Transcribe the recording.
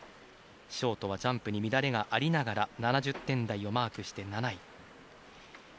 ショートはジャンプに乱れがありながら７０点台をマークして７位。